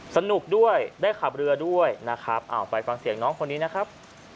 สนุกด้วยได้ขับเรือด้วยนะครับไปฟังเสียงน้องคนนี้นะครับ